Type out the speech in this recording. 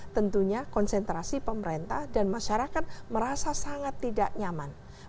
tentunya konsentrasi pemerintah dan masyarakat merasa sangat tidak nyaman